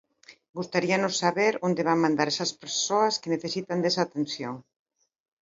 Gustaríanos saber onde van mandar esas persoas que necesitan desa atención.